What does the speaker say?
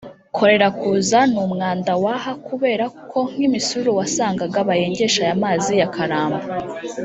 Kolera kuza ni umwanda w’aha kubera ko nk’imisururu wasangaga bayengesha aya mazi ya Karambo